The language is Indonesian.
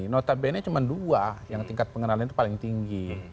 notabene cuma dua yang tingkat pengenalan itu paling tinggi